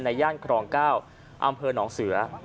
ในย่านครองเก้าอำเภอหนองเสือ